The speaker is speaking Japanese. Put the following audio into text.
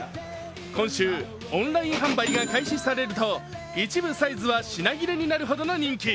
今週オンライン販売が開始されると一部サイズは品切れになるほどの人気。